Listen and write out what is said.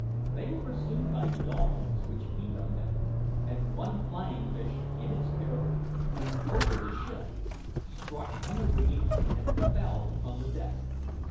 They were pursued by dolphins, which feed on them; and one flying fish, in its terror, flew over the ship, struck on the rigging, and fell upon the deck.